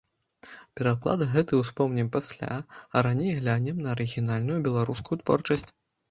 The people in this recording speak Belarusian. Пераклад гэты ўспомнім пасля, а раней глянем на арыгінальную беларускую творчасць.